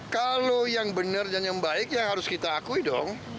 kalau yang benar dan yang baik ya harus kita akui dong